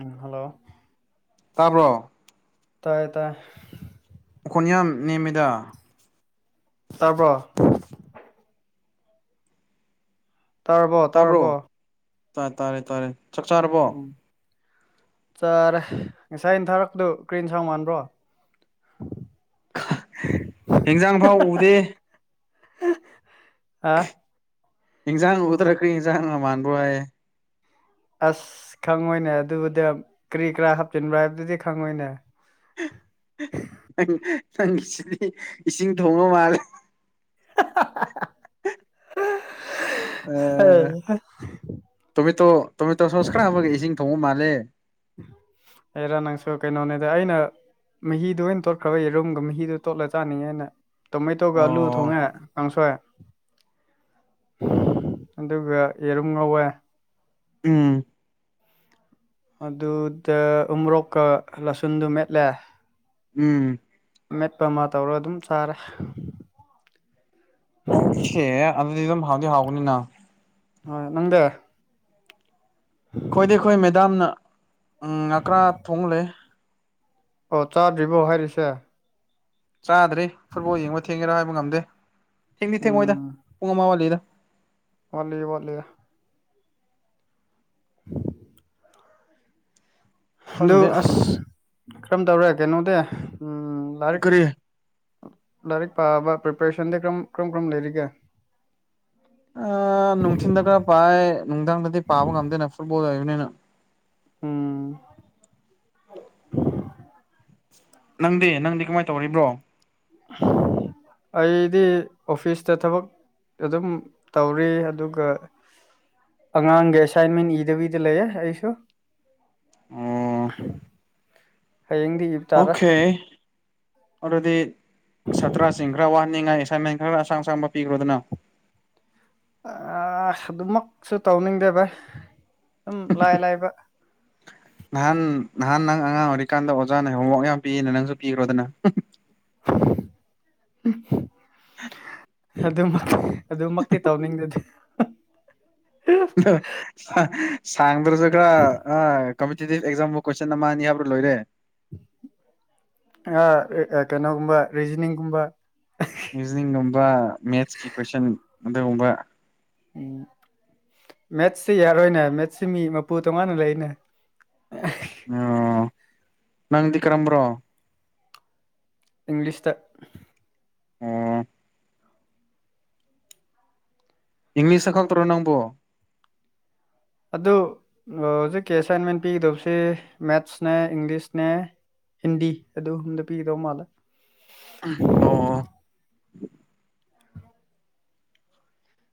ꯎꯝ hello ꯇꯥꯕ꯭ꯔꯣ ꯇꯥꯏ ꯇꯥꯏ ꯃꯈꯈꯣꯏꯅ ꯌꯥꯝ ꯅꯦꯝꯃꯦꯗ ꯇꯥꯔꯕ꯭ꯔꯣ ꯇꯥꯔꯕꯣ ꯇꯥꯔꯕꯣ ꯇꯥꯕ꯭ꯔꯣ ꯇꯥ ꯇꯥꯔꯦ ꯇꯥꯔꯦ ꯆꯥꯛ ꯆꯥꯔꯕꯣ ꯆꯔꯦ ꯉꯁꯥꯏꯩꯅ ꯊꯥꯔꯛꯄꯗꯣ ꯀ꯭ꯔꯤꯦꯟ ꯁꯥꯡ ꯃꯥꯟꯕ꯭ꯔꯣ ꯏꯟꯖꯥꯡ ꯐꯥꯎ ꯎꯗꯦ ꯑꯥ ꯏꯟꯁꯥꯡ ꯎꯊ꯭ꯔꯛꯈ ꯀꯩ ꯏꯟꯁꯥꯡꯒ ꯃꯥꯟꯕ ꯍꯥꯏꯌꯦꯦ ꯑꯁ ꯈꯪꯉꯣꯏꯅꯦ ꯑꯗꯨꯕꯨꯗ ꯀꯔꯤ ꯀꯔꯥ ꯍꯥꯞꯆꯤꯟꯕ꯭ꯔꯥ ꯍꯥꯏꯕꯗꯨꯗꯤ ꯈꯪꯉꯣꯏꯅꯦ ꯅꯪ ꯪ ꯅꯪꯁꯤꯗꯤ ꯏꯁꯤꯡ ꯊꯣꯡꯉ ꯃꯥꯜꯂꯦ ꯍꯥꯍꯥꯍꯥ ꯇꯣꯃꯦꯇꯣ ꯇꯣꯃꯦꯇꯣ ꯁꯣꯁ ꯈꯔ ꯍꯥꯞꯒ ꯏꯁꯤꯡ ꯊꯣꯡꯕ ꯃꯥꯜꯂꯦ ꯑꯦꯔ ꯅꯪꯁꯨ ꯀꯩꯅꯩꯅꯣꯅꯦꯗ ꯑꯩꯅ ꯃꯍꯤꯗꯨꯣ ꯑꯣꯏꯅ ꯇꯣꯠꯈ꯭ꯔꯕ ꯌꯦꯔꯨꯝꯒ ꯃꯍꯤꯗꯨꯣ ꯇꯣꯠꯂ ꯆꯥꯅꯤꯡꯉꯦꯅ ꯇꯣꯃꯦꯥꯏꯇꯧꯒ ꯑꯂꯨ ꯑꯣ ꯊꯣꯡꯉꯦ ꯀꯥꯡꯁꯣꯏ ꯑꯗꯨꯒ ꯌꯦꯔꯨꯝ ꯉꯧꯋꯦ ꯑꯎꯝ ꯑꯗꯨꯗ ꯎꯣꯔꯣꯛꯀ ꯂꯁꯨꯟꯗꯨ ꯃꯦꯠꯂꯦ ꯎꯝ ꯃꯦꯠꯄꯃꯥ ꯇꯧꯔꯒ ꯑꯗꯨꯝ ꯆꯥꯔꯦ ꯑꯣꯀꯦ ꯑꯗꯨꯗꯤ ꯑꯗꯨꯝ ꯍꯥꯎꯗꯤ ꯍꯥꯎꯒꯅꯤꯅ ꯍꯣꯏ ꯅꯪꯗꯦ ꯑꯩꯈꯣꯏꯗꯤ ꯑꯩꯈꯣꯏ ꯃꯦꯗꯥꯝꯅ ꯎꯝ ꯉꯀ꯭ꯔꯥ ꯊꯣꯡꯂꯦ ꯑꯣ ꯆꯥꯗꯔꯤ ꯕꯣ ꯍꯥꯏꯥꯏꯔꯤꯁꯦ ꯆꯥꯗ꯭ꯔꯦ ꯐꯨꯠꯕꯣꯜ ꯌꯦꯡꯕ ꯊꯦꯡꯉꯦꯔꯥ ꯍꯥꯏꯕ ꯉꯝꯗꯦ ꯊꯦꯡꯗꯤ ꯊꯦꯡꯃꯣꯏꯗ ꯄꯨꯡ ꯑꯃ ꯋꯥꯂꯤꯗ ꯋꯥꯂꯤ ꯋꯥꯂꯤꯌꯦ [inaudible] ꯈꯪꯗꯦ ꯑꯁ ꯀ꯭ꯔꯝꯇꯧꯔꯦ ꯀꯩꯅꯣꯗꯤ ꯎꯝ ꯂꯥꯏꯔꯤꯛ ꯀꯔꯤ ꯂꯥꯏꯔꯤꯛ ꯄꯥꯕ ꯄ꯭ꯔꯤꯄꯔꯦꯁꯟꯗꯤ ꯀ꯭ꯔꯝ ꯀ꯭ꯔꯝꯀ꯭ꯔꯝ ꯂꯩꯔꯤꯒꯦ ꯑꯥ ꯅꯨꯡꯊꯤꯟꯗ ꯈꯔ ꯄꯥꯏ ꯅꯨꯡꯗꯥꯡꯗꯗꯤ ꯄꯥꯕ ꯉꯝꯗꯦꯅ ꯐꯨꯠꯕꯣꯜ ꯂꯩꯕꯅꯤꯅ ꯎꯪꯝ ꯅꯪꯗꯤ ꯅꯪꯗꯤꯀꯃꯥꯏꯇꯧꯔꯤꯕ꯭ꯔꯣ ꯑꯩꯗꯤ ꯑꯣꯐꯤꯁꯇ ꯊꯕꯛ ꯑꯥꯗꯨꯝ ꯇꯧꯔꯤ ꯑꯗꯨꯒ ꯑꯉꯥꯡꯒꯤ ꯑꯦꯁꯥꯏꯟꯃꯦꯟ ꯏꯗꯕꯤꯗ ꯂꯩꯌꯦ ꯑꯩꯁꯨ ꯑꯣ INAUDIBLE ꯍꯌꯦꯡꯗꯤ ꯏꯕꯇꯥꯔꯦ ꯑꯣꯀꯦ ꯑꯗꯨꯗꯤ ꯁꯥꯇ꯭ꯔꯁꯤꯡ ꯈꯔ ꯋꯥꯍꯟꯅꯤꯡꯉꯥꯏ ꯑꯦꯁꯥꯏꯟꯃꯦꯟ ꯈꯔ ꯑꯁꯥꯡ- ꯑꯁꯥꯡꯕ ꯄꯤꯈ꯭ꯔꯣꯗꯅ INAUDIBLE ꯑꯥ ꯑꯗꯨꯃꯛꯁꯨ ꯇꯧꯅꯤꯡꯗꯦ ꯚꯥꯌ ꯑꯗꯨꯝ ꯂꯥꯏ -ꯂꯥꯏꯕ ꯅꯍꯥꯟ ꯅꯍꯥꯟ ꯅꯪ ꯑꯉꯥꯡ ꯑꯣꯏꯔꯤꯀꯥꯟꯗ ꯑꯣꯖꯥꯅ ꯍꯣꯝꯋꯥꯔꯛ ꯌꯥꯝ ꯄꯤꯌꯦꯅ ꯅꯪꯖꯨ ꯄꯤꯈ꯭ꯔꯣꯗꯅ INAUDIBLE ꯑꯗꯨꯝ- ꯑꯗꯨꯃꯛꯇꯤ ꯇꯧꯅꯤꯡꯗꯗꯤꯦ INAUDIBLE ꯁꯥꯡꯗ꯭ꯔꯁꯨ ꯈꯔ ꯑꯥ ꯀꯝꯄꯤꯇꯤꯇꯤꯚ ꯑꯦꯛꯖꯥꯝꯕꯨ ꯀꯣꯏꯁꯟ ꯑꯃ ꯑꯅꯤ ꯍꯥꯞꯂ ꯂꯣꯏꯔꯦ INAUDIBLE ꯑꯥ ꯔꯥ ꯀꯩꯅꯣꯒꯨꯝꯕ ꯔꯤꯖꯅꯤꯡꯒꯨꯝꯕ ꯔꯤꯖꯅꯤꯡꯒꯨꯝꯕꯥ ꯃꯦꯠꯁꯀꯤ ꯀꯣꯏꯁꯟ ꯑꯗꯨꯒꯨꯝꯕ ꯎꯪ ꯃꯦꯠꯁꯁꯤ ꯌꯥꯔꯣꯏꯅꯦ ꯃꯦꯠꯁꯁꯤ ꯃꯤꯃꯄꯨ ꯇꯣꯉꯥꯟꯅ ꯂꯩꯅꯦ ꯑꯩꯑꯣ ꯅꯪꯗꯤ ꯀ꯭ꯔꯝꯕ꯭ꯔꯣ ꯏꯪꯂꯤꯁꯇ ꯑꯣꯑꯥ ꯏꯪꯂꯤꯁꯇ ꯈꯛꯇ꯭ꯔ ꯅꯪꯕꯣ ꯑꯗꯨ ꯑꯥ ꯖꯤꯛꯀꯤ ꯑꯦꯁꯥꯏꯟꯃꯦꯟ ꯄꯤꯒꯗꯕꯁꯦ ꯃꯦꯠꯁꯅꯦ ꯏꯪꯂꯤꯁꯅꯦ ꯍꯤꯟꯗꯤ ꯑꯗꯨ ꯒꯨꯝꯗ ꯄꯤꯒꯗꯧ ꯃꯥꯜꯂꯦ ꯑꯣ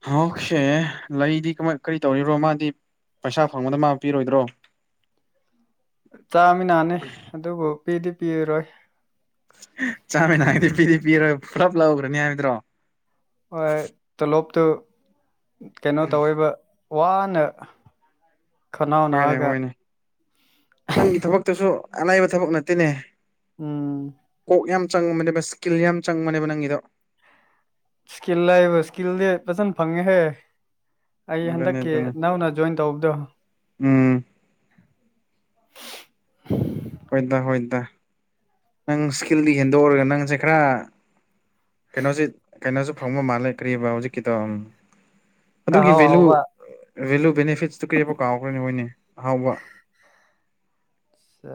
UNINTELLIGIBLE ꯂꯩꯑꯗꯤ ꯀꯃꯥꯢ ꯀꯔꯤ ꯇꯧꯔꯤꯔꯣ ꯃꯥꯗꯤ ꯄꯩꯁꯥ ꯐꯪꯕꯗ ꯃꯥ ꯄꯤꯔꯣꯏꯗ꯭ꯔꯣ ꯆꯥꯃꯤꯅꯥꯅꯤ ꯑꯗꯨꯕꯨ ꯄꯤꯗꯤ -ꯄꯤꯔꯣꯏ ꯆꯥꯃꯤꯟꯅꯒꯗꯤ ꯄꯤꯗꯤ ꯄꯤꯔꯣꯏ ꯄꯨꯂꯞ ꯂꯧꯒ꯭ꯔꯅꯤ ꯍꯥꯏꯕꯗꯨꯔꯣ ꯍꯣꯏ ꯇꯣꯂꯣꯞꯇꯨ ꯀꯩꯅꯣꯇꯧꯋꯦꯕ ꯋꯥꯅ ꯈꯅꯥꯎ ꯍꯣꯏꯅꯦ ꯅꯥꯑꯒ ꯍꯣꯏꯅꯦ ꯅꯪꯒꯤ ꯊꯕꯛꯇꯁꯨ ꯑꯂꯥꯏꯕ ꯊꯕꯛ ꯅꯠꯇꯦꯅꯦ ꯎꯪꯝ ꯀꯣꯛ ꯌꯥꯝ ꯆꯪꯕꯅꯦꯕ ꯏꯁꯀꯤꯜ ꯌꯥꯝ ꯆꯪꯕꯅꯦꯕꯥ ꯅꯪꯒꯤꯗꯣ ꯏꯁꯀꯤꯜ ꯍꯥꯢꯕ ꯏꯁꯀꯤꯜꯗꯤ ꯐꯖꯅ ꯐꯪꯉꯦꯍꯦ ꯑꯩ ꯑꯗꯨꯅꯦ ꯍꯟꯗꯛꯀꯤ ꯅꯧꯅꯥ ꯖꯣꯏꯟꯇꯧꯇꯧꯕꯗꯣ ꯎꯪ INAUDIBLE ꯍꯣꯏꯗ ꯍꯣꯏꯗ ꯅꯪ ꯏꯁꯀꯤꯜꯗꯤ ꯍꯦꯟꯗꯣꯛꯎꯔꯒ ꯅꯪꯖꯦ ꯈꯔ ꯀꯩꯅꯣꯖꯤ ꯀꯩꯅꯣꯖꯨ ꯐꯪꯕ ꯃꯥꯜꯂꯦ ꯀꯔꯤꯕ ꯍꯧꯖꯤꯛꯀꯤꯗꯣ ꯑꯗꯨꯒꯤ ꯑꯍꯧ ꯚꯦꯂꯨ ꯍꯧꯕ ꯚꯦꯂꯨ ꯕꯦꯅꯤꯐꯤꯠꯁꯇꯨ ꯀꯩꯑꯕ ꯀꯥꯎꯈ꯭ꯔꯅꯦ [unintelligible] ꯑꯍꯥꯎꯕ ꯁ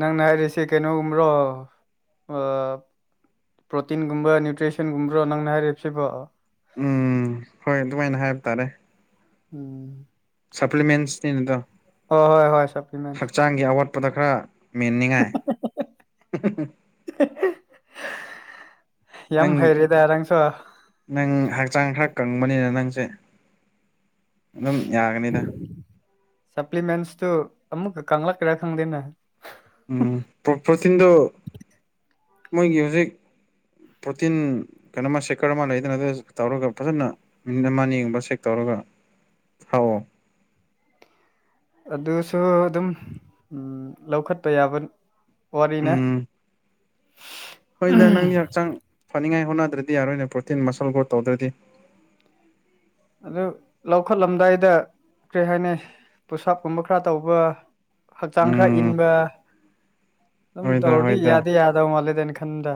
ꯅꯪꯅ ꯍꯥꯏꯔꯤꯁꯦ ꯀꯩꯅꯣꯒꯨꯝꯕ꯭ꯔꯣ ꯑ ꯄ꯭ꯔꯣꯇꯤꯟꯒꯨꯝꯕ ꯅ꯭ꯌꯨꯇ꯭ꯔꯤꯁꯟꯒꯨꯝꯕ꯭ꯔꯣ ꯅꯪꯅ ꯍꯥꯏꯔꯤꯞꯁꯤꯕꯣ ꯎꯝ ꯍꯣꯏ ꯑꯗꯨꯃꯥꯏꯅ ꯍꯥꯏꯕ ꯇꯥꯔꯦ ꯎꯝ ꯁꯄ꯭ꯂꯤꯃꯦꯟꯁꯅꯤ ꯅꯗꯣ ꯑꯣ ꯍꯣꯏ ꯍꯣꯏ ꯁ꯭ꯞꯄꯂꯤꯃꯦꯟꯁ ꯄꯗ ꯈ꯭ꯔ ꯃꯦꯟꯅꯤꯡꯉꯥꯏ ꯌꯥꯝ ꯅꯪ ꯍꯩꯔꯦꯗ ꯅꯪꯁꯨ ꯅꯪ ꯍꯥ ꯆꯥꯡ ꯈ꯭ꯔ ꯀꯪꯕꯅꯤꯅ ꯅꯪꯁꯦ ꯑꯗꯨꯝ ꯌꯥꯒꯅꯤꯗ ꯁꯄ꯭ꯂꯤꯃꯦꯟꯁꯇꯨ ꯑꯃꯨꯛꯀ ꯀꯪꯂꯪꯛ ꯀ꯭ꯔ ꯈꯪꯗꯦꯅꯦ ꯎꯝ ꯄ꯭ꯔꯣ ꯄ꯭ꯔꯣꯇꯤꯟꯗ ꯃꯣꯏꯒꯤ ꯍꯨꯖꯤꯛ ꯄ꯭ꯔꯣꯇꯤꯟ ꯀꯅꯣꯃ ꯁꯦꯛꯀ꯭ꯔ ꯑꯃ ꯂꯩꯗꯅ ꯑꯗꯨ ꯇꯧꯔꯒ ꯐꯖꯟꯅ ꯃꯤꯅꯤꯠ ꯑꯃꯅꯤ ꯒꯨꯝꯕ ꯁꯦꯛ ꯇꯧꯔ [unintelligible] ꯑꯗꯨꯁꯨ ꯑꯗꯨꯝ ꯎꯝ ꯂꯧꯈꯠꯄ ꯌꯥꯕ ꯋꯥꯔꯤꯅꯦ ꯎꯝ ꯍꯣꯏꯗ ꯅꯪꯗꯤ ꯍꯛꯆꯥꯡ ꯐꯅꯤꯉꯥꯏ ꯍꯣꯠꯅꯗ꯭ꯔꯗꯤ ꯌꯥꯔꯣꯏꯅ ꯄ꯭ꯔꯣꯇꯤꯟ ꯃꯁꯜ ꯒ꯭ꯔꯣ ꯇꯧꯗ꯭ꯔꯗꯤ ꯑꯗꯨ ꯂꯧꯈꯠꯂꯝꯗꯥꯏꯗ ꯀ꯭ꯔꯤ ꯍꯥꯏꯅꯤ ꯄꯨꯠꯁꯞꯀꯨꯝꯕ ꯈꯔ ꯇꯧꯕ ꯍꯛꯆꯥꯡ ꯈꯔ ꯎꯝ ꯏꯟꯕ ꯑꯗꯨꯝ ꯍꯣꯏꯗ ꯇꯧꯔꯗꯤ ꯍꯣꯏꯗ ꯌꯥꯗꯤ ꯌꯥꯗꯕ ꯃꯥꯂꯦꯗ ꯑꯩꯟ ꯈꯟꯕꯗ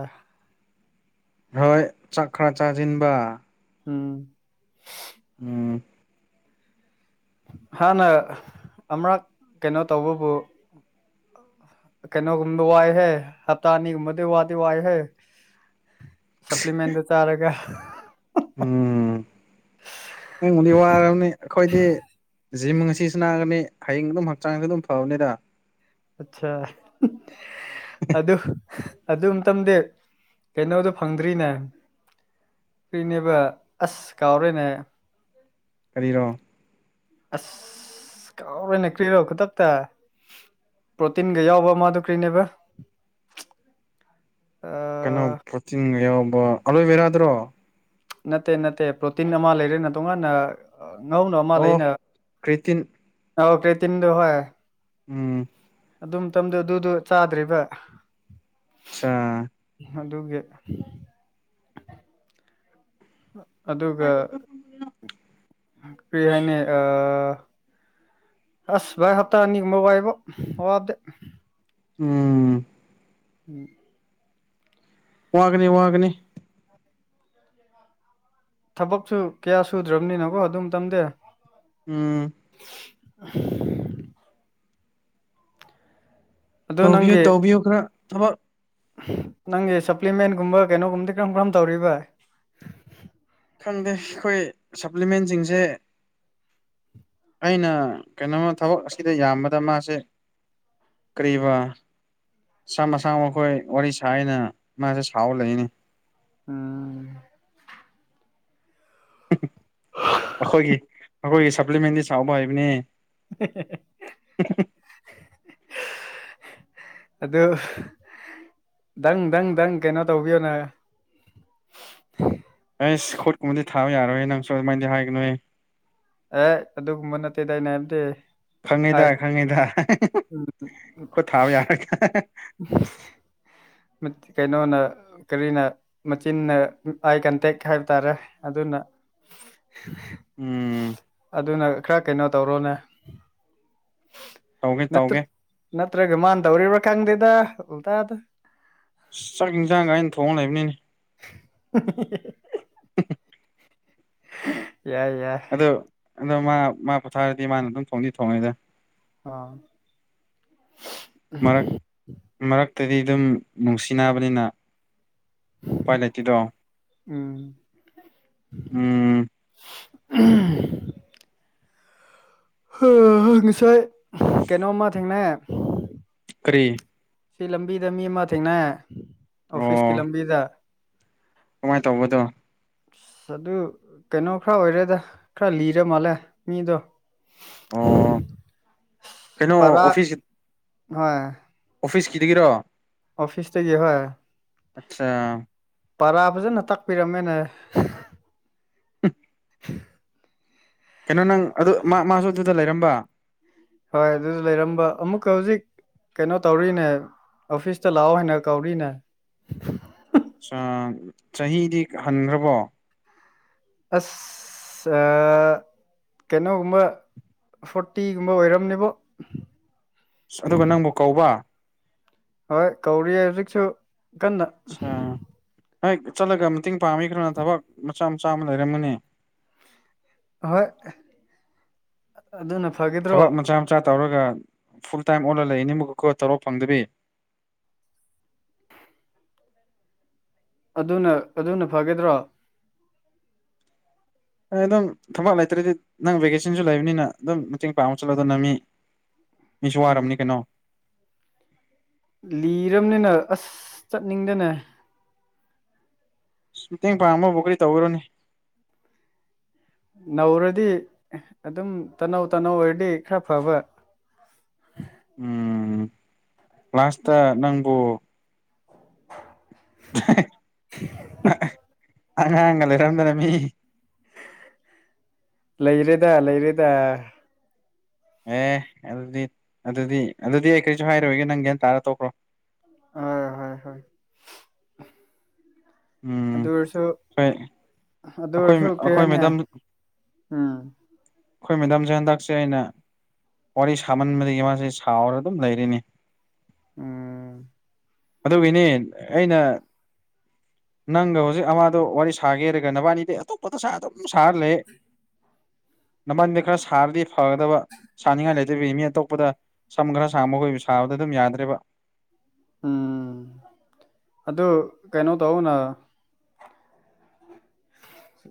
ꯍꯣꯏ ꯆꯥꯛ ꯈꯔ ꯆꯥꯖꯤꯟꯕ ꯎꯝ ꯎꯝ ꯍꯥꯟꯅ ꯑꯃꯔꯛ ꯀꯩꯅꯣ ꯇꯧꯕꯕꯨ ꯀꯩꯅꯣꯒꯨꯝꯕ ꯋꯥꯏꯍꯦ ꯍꯞꯇꯥ ꯑꯅꯤꯒꯨꯝꯕꯗꯨ ꯋꯥꯗꯤ ꯋꯥꯏꯍꯦ ꯁꯄ꯭ꯂꯤꯃꯦꯟꯠ ꯗꯣ ꯆꯥꯔꯒ ꯎꯝ ꯅꯪꯕꯨꯗꯤ ꯋꯥꯔꯝꯅꯤ ꯑꯈꯣꯏꯗꯤ ꯖꯤꯝ ꯉꯁꯤ ꯁꯥꯅꯒꯅꯤ ꯍꯌꯦꯡ ꯑꯗꯨꯝ ꯍꯛꯆꯥꯡꯁꯨ ꯑꯗꯨꯝ ꯐꯕꯅꯤꯗ ꯑꯠꯁꯥ ꯑꯗꯨ ꯑꯗꯨꯇꯝꯗꯤ ꯀꯩꯅꯣꯗꯣ ꯐꯪꯗ꯭ꯔꯤꯅꯦ ꯐꯔꯤꯅꯦꯕ ꯑꯁ ꯀꯥꯎꯔꯦꯅꯦ ꯀꯔꯤꯔꯣ ꯑꯁ ꯀꯥꯎꯋꯦꯅꯦ ꯀ꯭ꯔꯤꯔꯣ ꯈꯨꯇꯛꯇ ꯄ꯭ꯔꯣꯇꯤꯟꯒ ꯌꯥꯎꯕ ꯑꯃꯗꯨ ꯀꯔꯤꯅꯦꯕ ꯀꯩꯅꯣ ꯄ꯭ꯔꯣꯇꯤꯟꯒ ꯌꯥꯎꯕ ꯑꯂꯣꯏꯕꯦꯔꯥꯗꯨꯔꯣ ꯅꯠꯇꯦ ꯅꯠꯇꯦ ꯄ꯭ꯔꯣꯇꯤꯟ ꯑꯃ ꯂꯩꯔꯦꯅꯦ ꯇꯣꯡꯉꯥꯟꯅ ꯉꯧꯅ ꯑꯃ ꯑꯣ ꯂꯩꯅ ꯀ꯭ꯔꯦꯇꯤꯟ ꯑꯥ ꯀ꯭ꯔꯦꯇꯤꯟꯗꯣ ꯍꯣꯏ ꯎꯝ ꯑꯗꯨꯝ ꯇꯝꯗ ꯑꯗꯨꯗꯣ ꯆꯥꯗ꯭ꯔꯤꯕ ꯑꯆꯥ ꯑꯗꯨꯒꯤ ꯑꯗꯨꯒ ꯀ꯭ꯔꯤ ꯍꯥꯏꯅꯤ ꯑ ꯑꯣꯁ ꯚꯥꯏ ꯍꯞꯇꯥꯅꯤꯒꯨꯝꯕ ꯋꯥꯢꯕꯣ ꯋꯥꯕꯗꯤ ꯎ ꯪꯎꯪ INAUDIBLE ꯋꯥꯒꯅꯤꯋꯥꯒꯅꯤ ꯊꯕꯛꯁꯨ ꯀꯌꯥ ꯁꯨꯗ꯭ꯔꯕꯅꯤꯅꯀꯣ ꯑꯗꯨ ꯃꯇꯝꯗꯤ ꯎꯪ INAUDIBLE ꯑꯗꯣ ꯇꯧꯕꯤꯌꯨ ꯅꯪꯒꯤ ꯇꯧꯕꯤꯌꯨ ꯈ꯭ꯔ ꯊꯕꯛ ꯅꯪꯒꯤ ꯁꯄ꯭ꯂꯤꯃꯦꯟꯒꯨꯝꯕ-ꯀꯩꯅꯣꯒꯨꯝꯕꯗꯤ ꯀꯔꯝ ꯀꯔꯝ ꯇꯧꯔꯤꯕ ꯈꯪꯗꯦ ꯑꯩꯈꯣꯏ ꯁꯄ꯭ꯂꯤꯃꯦꯟꯁꯤꯡꯖꯦ ꯑꯩꯅ ꯀꯩꯅꯣꯃ ꯊꯕꯛ ꯑꯁꯤꯗ ꯌꯥꯝꯕꯗ ꯃꯥꯁꯦ ꯀꯔꯤꯕꯥ ꯃꯁꯥ ꯃꯁꯥ ꯃꯈꯈꯣꯏ ꯋꯥꯔꯤ ꯁꯥꯏꯅ ꯃꯥꯁꯦ ꯁꯥꯎꯔ ꯂꯩꯅꯦ ꯑꯪ ꯑꯩꯈꯣꯏꯒꯤ ꯑꯩꯈꯣꯏꯒꯤ ꯁꯄ꯭ꯂꯤꯃꯦꯟꯗꯤ ꯁꯥꯎꯕ ꯍꯩꯕꯅꯤ INAUDIBLE INAUDIBLE ꯑꯗꯨ ꯗꯪ ꯗꯪ ꯗꯪ ꯀꯩꯅꯣ ꯇꯧꯕꯤꯌꯣꯅ ꯑꯩꯁ ꯈꯨꯠꯀꯨꯝꯕꯗꯤ ꯊꯥꯕ ꯌꯥꯔꯣꯏ ꯅꯪꯁꯨ ꯑꯗꯨꯃꯥꯏꯅꯗꯤ ꯍꯥꯏꯒꯅꯨꯍꯦ ꯑꯦ ꯑꯗꯨꯒꯨꯝꯕ ꯅꯠꯇꯦꯗꯥ ꯑꯩꯅ ꯍꯥꯏꯕꯗꯤ ꯈꯪꯉꯤꯗꯥ ꯑꯥꯏ ꯈꯪꯉꯤꯗꯥ ꯈꯨꯠꯊꯥꯕ ꯌꯥꯔꯒ INAUDIBLE ꯀꯩꯅꯣꯅ- ꯀꯔꯤꯅ ꯃꯆꯤꯟꯅ ꯑꯥꯏ ꯀꯟꯇꯦꯛ ꯈꯔ ꯇꯧꯔꯦ ꯑꯗꯨꯅ INAUDIBLE ꯑꯗꯨꯅ ꯈ꯭ꯔ ꯀꯩꯅꯣ ꯇꯧꯔꯣꯅꯦ ꯇꯧꯒꯦ ꯅꯠꯇ꯭ꯔ ꯇꯧꯒꯦ -ꯅꯠꯇ꯭ꯔꯒꯥ ꯃꯥꯅ ꯇꯧꯔꯤꯕ꯭ꯔꯥ ꯈꯪꯗꯦꯗꯥ ꯎꯜꯇꯥꯗ ꯆꯥꯛ-ꯏꯟꯖꯥꯡꯒ ꯑꯩꯅ ꯊꯣꯡꯉꯥ ꯂꯩꯕꯅꯤꯅꯦ UNINTELLIGIBLE UNINTELLIGIBLE ꯌꯥꯏꯌꯥꯏ ꯑꯗꯣ ꯃꯥ ꯃꯥ ꯄꯣꯊꯥꯔꯗꯤ ꯃꯥꯅ ꯑꯗꯨꯝ ꯊꯣꯡꯗꯤ ꯊꯣꯡꯉꯦꯗ ꯑꯥꯑꯪ ꯃꯔꯛ- ꯃꯔꯛꯇꯗꯤ ꯗꯨꯝ ꯅꯨꯡꯁꯤꯅꯕꯅꯤꯅ ꯎꯄꯥꯏ ꯂꯩꯇꯦꯗꯣ ꯎꯝ ꯎꯝ UNINTELLIGIBLE ꯍꯨꯋꯍꯩ ꯉꯁꯥꯢ ꯀꯩꯅꯣꯃꯥ ꯊꯦꯡꯅꯩ ꯀꯔꯤ ꯁꯤ ꯂꯝꯕꯤꯗ ꯃꯤ ꯑꯃ ꯊꯦꯡꯅꯩꯑꯦ ꯑꯣꯐꯤꯁꯀꯤ ꯂꯝꯕꯤꯗ ꯀꯃꯥꯏ ꯇꯧꯕꯗꯣ ꯑꯥꯁ ꯑꯗꯨ ꯀꯩꯅꯣ ꯈꯔ ꯑꯣꯏꯔꯦꯗ-ꯈꯔ ꯂꯤꯔ ꯃꯥꯜꯂꯦ ꯃꯤꯗꯣ ꯑꯣꯑꯣ ꯀꯩꯅꯣ ꯑꯣꯐꯤꯁ ꯍꯣꯏꯑꯦ ꯑꯣꯐꯤꯁꯀꯤꯗꯒꯤꯔꯣ ꯑꯣꯐꯤꯁꯇꯒꯤ ꯍꯣꯏ ꯑꯁꯆꯥ ꯄꯔꯥ ꯐꯖꯅ ꯇꯥꯛꯄꯤꯔꯝꯃꯦꯅꯦ [unintelligible] ꯀꯩꯅꯣ ꯅꯪ ꯑꯗꯨ ꯃꯥ ꯃꯥꯁꯨ ꯑꯗꯨꯗ ꯂꯩꯔꯝꯕ ꯍꯣꯏ ꯑꯗꯨꯁꯨ ꯂꯩꯔꯝꯕ ꯑꯃꯨꯛꯀ ꯍꯧꯖꯤꯛ ꯀꯩꯅꯣ ꯇꯧꯔꯤꯅꯦ ꯑꯣꯐꯤꯁꯇ ꯂꯥꯛꯑꯣ ꯍꯥꯏꯅ ꯀꯧꯔꯤꯅꯦ ꯆꯍꯤꯗꯤ ꯍꯟꯈ꯭ꯔꯕꯣ ꯑꯁ ꯑ ꯀꯩꯅꯣꯒꯨꯝꯕ ꯐꯣꯔꯇꯤꯒꯨꯝꯕ ꯑꯣꯏꯔꯝꯅꯦꯕꯣ ꯑꯁ ꯑꯗꯨꯒ ꯅꯪꯕꯨ ꯀꯧꯕ ꯍꯣꯏ ꯀꯧꯔꯤꯌꯦ ꯍꯧꯖꯤꯛꯁꯨ ꯀꯟꯅ ꯑ ꯍꯦꯛ ꯆꯠꯂꯒ ꯃꯇꯦꯡ ꯄꯥꯡꯕꯤ ꯈ꯭ꯔꯣꯅ ꯊꯕꯛ ꯃꯆꯥ ꯃꯆꯥ ꯑꯃ ꯂꯩꯔꯝꯒꯅꯤ ꯍꯣꯏ ꯑꯗꯨꯅ ꯐꯒꯗ꯭ꯔꯣ ꯊꯕꯛ ꯃꯆꯥ ꯃꯆꯥ ꯇꯧꯔꯒ ꯐꯨꯜ ꯇꯥꯏꯝ ꯑꯣꯜꯂꯒ ꯂꯩꯅꯤ ꯃꯨꯛꯀ ꯀꯣ ꯇꯣꯂꯣꯞ ꯐꯪꯗꯕꯤ [inaudible] ꯑꯗꯨꯅ ꯑꯗꯨꯅ ꯐꯒꯗ꯭ꯔꯣ ꯍꯣꯏ ꯑꯗꯨꯝ ꯊꯕꯛ ꯂꯩꯇ꯭ꯔꯗꯤ ꯅꯪ ꯚꯦꯀꯦꯁꯟꯁꯨ ꯂꯩꯕꯅꯤꯅ ꯑꯗꯨꯝ ꯃꯇꯦꯡ ꯄꯥꯡꯕ ꯆꯠꯂꯣ ꯗ ꯅꯃꯤ ꯃꯤꯁꯨ ꯋꯥꯔꯝꯅꯤ ꯀꯩꯅꯣ ꯂꯤꯔꯕꯅꯤꯅ ꯑꯁ ꯆꯠꯅꯤꯡꯗꯦꯅꯦ ꯃꯇꯦꯡ ꯄꯥꯡꯕꯕꯨ ꯀꯔꯤ ꯇꯧꯔꯨꯔꯅꯤ ꯅꯧꯔꯗꯤ ꯑꯗꯨꯝ ꯇꯅꯧ ꯇꯅꯧ ꯑꯣꯏꯔꯗꯤ ꯈꯔ ꯐꯕ ꯎꯝ ꯂꯥꯁꯇ ꯅꯪꯕꯨ [unintelligible] ꯑꯉꯥꯡꯒ ꯂꯩꯔꯝꯗꯅ ꯃꯤ ꯂꯩꯔꯦꯗ ꯂꯩꯔꯦꯗ ꯑꯦ ꯑꯗꯨꯗꯤ ꯑꯗꯨꯗꯤ ꯑꯗꯨꯗꯤ ꯑꯩ ꯀꯔꯤꯁꯨ ꯍꯥꯏꯔꯣꯏꯒꯦ ꯅꯪ ꯒ꯭ꯌꯥꯟ ꯇꯥꯔꯥ ꯇꯣꯛꯈ꯭ꯔꯣ ꯑ ꯍꯣꯏ ꯍꯣꯏ ꯑꯗꯨ ꯎꯝ ꯑꯣꯏꯔꯁꯨ ꯍꯣꯏ ꯑꯗꯨ ꯑꯈꯣꯏ ꯑꯣꯏꯔꯁꯨ ꯀꯩ ꯑꯈꯣꯏ ꯍꯥꯏꯅꯤ ꯃꯦꯗꯥꯝ ꯎꯝ ꯑꯈꯣꯏ ꯃꯦꯗꯥꯝꯁꯦ ꯍꯟꯗꯛꯁꯦ ꯑꯩꯅ ꯋꯥꯔꯤ ꯁꯥꯃꯟꯕꯗꯒꯤ ꯃꯥꯁꯦ ꯁꯥꯎꯔ ꯑꯗꯨꯝ ꯂꯩꯔꯦꯅꯦ ꯎꯝ ꯑꯗꯨꯒꯤꯅꯦ ꯑꯩꯅ ꯅꯪꯒ ꯍꯧꯖꯤꯛ ꯑꯃꯗꯣ ꯋꯥꯔꯤ ꯁꯥꯒꯦꯔꯒ ꯅꯕꯥꯅꯤꯗꯤ ꯑꯇꯣꯞꯄꯗ ꯁꯥ ꯑꯗꯨꯝ ꯁꯥꯔ ꯂꯩ [inaudible] ꯅꯕꯥꯟꯅꯤꯗ ꯈꯔ ꯁꯥꯔꯗꯤ ꯐꯒꯗꯕ ꯁꯥꯅꯤꯡꯉꯥꯏ ꯂꯩꯇꯕꯩ ꯃꯤ ꯑꯇꯣꯞꯄꯗ ꯁꯝ ꯈꯔ ꯁꯥꯡꯕ ꯃꯈꯣꯏ ꯁꯥꯕꯗ ꯑꯗꯨꯝ ꯌꯥꯗ꯭ꯔꯦꯕ ꯎꯝ ꯑꯗꯨ ꯀꯩꯅꯣ ꯇꯧꯅ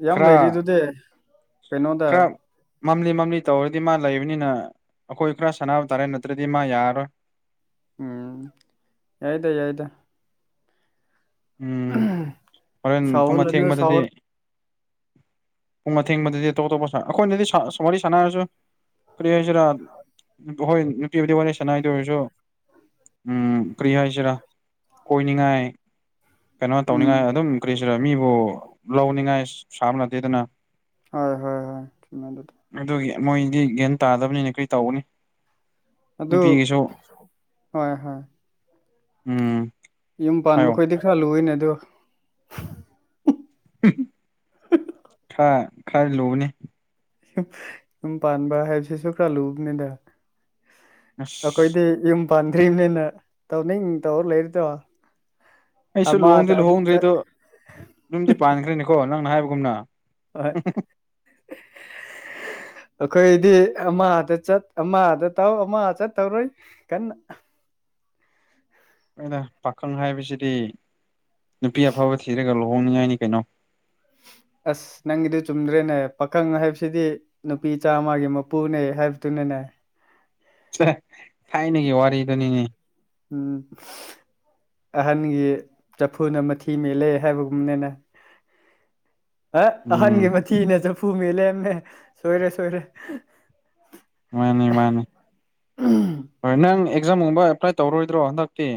ꯌꯥꯝ ꯈꯔ ꯂꯩꯔꯤꯗꯨꯗꯤ ꯀꯩꯅꯣꯗ ꯈꯔ ꯃꯝꯂꯤ ꯃꯝꯂꯤ ꯇꯧꯔꯗꯤ ꯃꯥ ꯂꯩꯕꯅꯤꯅ ꯑꯈꯣꯏ ꯈꯔ ꯁꯥꯟꯅꯕ ꯇꯥꯔꯦ ꯅꯠꯇ꯭ꯔꯗꯤ ꯃꯥ ꯌꯥꯔꯔꯣꯏ ꯎꯝ ꯌꯥꯏꯗ ꯌꯥꯏꯗ ꯎꯝ ꯍꯣꯔꯦꯟ ꯄꯨꯡ ꯁꯥꯎꯍꯜꯂꯅꯨ ꯑꯊꯦꯡꯕꯗꯗꯤ ꯁꯥꯎꯍꯜ ꯄꯨꯡ ꯑꯊꯦꯡꯕꯗꯗꯤ ꯑꯇꯣꯞ ꯑꯇꯣꯞꯄ ꯁ ꯑꯩꯈꯣꯏꯅꯗꯤ ꯁ ꯋꯥꯔꯤ ꯁꯥꯟꯅꯔꯁꯨ ꯀꯔꯤ ꯍꯥꯏꯁꯤꯔ ꯍꯣꯏ ꯅꯨꯄꯤꯕꯨꯗꯤ ꯋꯥꯔꯤ ꯁꯥꯅꯥꯏ ꯑꯗꯨ ꯑꯣꯏꯔꯁꯨ ꯎꯝ ꯀꯔꯤ ꯍꯥꯏꯁꯤꯔ ꯀꯣꯏꯅꯤꯡꯉꯥꯏ ꯀꯩꯅꯣ ꯎꯝ ꯇꯧꯅꯤꯡꯉꯥꯏ ꯑꯗꯨꯝ ꯀꯔꯤ ꯍꯥꯏꯁꯤꯔ ꯃꯤꯕꯨ ꯂꯧꯅꯤꯡꯉꯥꯏ ꯁꯥꯕ ꯅꯠꯇꯦꯗꯅ ꯍꯣꯏ ꯍꯣꯏ ꯍꯣꯏ ꯆꯨꯝꯃꯦ ꯑꯗꯨꯗꯤ ꯑꯗꯨꯒꯤ ꯃꯣꯏꯗꯤ ꯒ꯭ꯌꯥꯟ ꯇꯥꯗꯕꯅꯤꯅ ꯀꯔꯤ ꯇꯧꯒꯅꯤ ꯑꯗꯨ ꯅꯨꯄꯤꯒꯤꯁꯨ ꯍꯣꯏ ꯍꯣꯏ ꯎꯝ ꯌꯨꯝ ꯄꯥꯟꯕ ꯍꯥꯏꯌꯣ ꯈꯣꯏꯗꯤ ꯈꯔ ꯂꯨꯏꯅꯦ ꯑꯗꯨ ꯍꯤꯍꯤꯍꯤ ꯈꯔ ꯈꯔ ꯂꯨꯕꯅꯤ ꯌꯨꯝ ꯄꯥꯟꯕ ꯍꯥꯏꯕꯁꯤꯁꯨ ꯈꯔ ꯂꯨꯕꯅꯤꯗ ꯑꯁ ꯑꯩꯈꯣꯏꯗꯤ ꯌꯨꯝ ꯄꯥꯟꯗ꯭ꯔꯤꯕꯔꯤꯕꯅꯤꯅ ꯇꯧꯅꯤꯡ ꯇꯧꯔ ꯂꯩꯔꯤꯗꯣ ꯑꯩꯁꯨ ꯑꯃꯗ ꯂꯨꯍꯣꯡꯗꯦ ꯑꯃꯨꯛ ꯆꯠ ꯂꯨꯍꯣꯡꯗ꯭ꯔꯤꯗꯣ ꯌꯨꯝꯗꯤ ꯄꯥꯟꯈ꯭ꯔꯦꯅꯦꯀꯣ ꯅꯪꯅ ꯍꯥꯏꯕꯒꯨꯝꯅ ꯍꯣꯏ ꯑꯩꯈꯣꯏꯗꯤ ꯑꯃꯗ ꯆꯠ ꯑꯃ ꯑꯗ ꯇꯥꯎ ꯑꯃ ꯆꯠꯇꯧꯔꯣꯏ ꯀꯟꯅ ꯑꯩꯅ ꯄꯥꯈꯪ ꯍꯥꯏꯕꯁꯤꯗꯤ ꯅꯨꯄꯤ ꯑꯐꯕ ꯊꯤꯔꯒ ꯂ ꯍꯣꯅꯤꯡꯉꯥꯏꯅꯤ ꯀꯩꯅꯣ ꯑꯁ ꯅꯪꯒꯤꯗꯨ ꯆꯨꯝꯗ꯭ꯔꯦꯅꯦ ꯄꯥꯈꯪ ꯍꯥꯏꯕꯁꯤꯗꯤ ꯅꯨꯄꯤ ꯆꯥꯃꯒꯤ ꯃꯄꯨꯅꯦ ꯍꯥꯏꯕꯗꯨꯅꯅꯦ [unintelligible] ꯁꯦꯁ ꯊꯥꯏꯅꯒꯤ ꯋꯥꯔꯤꯗꯨꯅꯤꯅꯦ ꯎꯝ ꯑꯍꯟꯒꯤ ꯆꯐꯨꯅ ꯃꯊꯤ ꯃꯦꯜꯂꯦ ꯍꯥꯏꯕꯒꯨꯝꯕꯅꯤꯅꯦ [inaudible] ꯍꯦꯠ ꯎꯝ ꯑꯍꯥꯟꯒꯤ ꯃꯊꯤꯅ ꯆꯐꯨ ꯃꯦꯂꯦꯃꯦ ꯁꯣꯏꯔꯦ ꯁꯣꯏꯔꯦ ꯃꯥꯅꯤ ꯃꯥꯅꯤ ꯎꯝ ꯍꯣꯏ ꯅꯪ ꯑꯦꯛꯖꯥꯝꯒꯨꯝꯕ ꯑꯦꯄ꯭ꯂꯥꯏ ꯇꯧꯔꯣꯏꯗ꯭ꯔꯣ ꯍꯟꯗꯛꯇꯤ